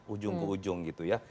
ujung ke ujung gitu ya